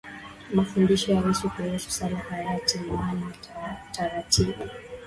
Mafundisho ya Yesu kuhusu sala hayatii maanani taratibu